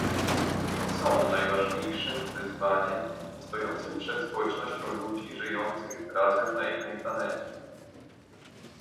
Są najważniejszym wyzwaniem stojącym przed społecznością ludzi żyjących razem na jednej planecie